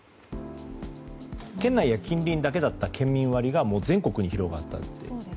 県内や近隣だけだった県民割が全国に広がると。